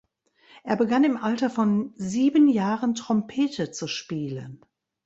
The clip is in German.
Er begann im Alter von sieben Jahren Trompete zu spielen.